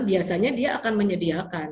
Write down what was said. biasanya dia akan menyediakan